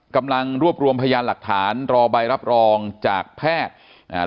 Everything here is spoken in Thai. กำลังรวบรวมพยานหลักฐานรอใบรับรองจากแพทย์อ่า